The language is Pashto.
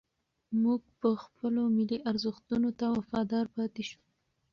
موږ به خپلو ملي ارزښتونو ته وفادار پاتې شو.